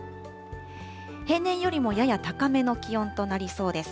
平年よりもやや高めの気温となりそうです。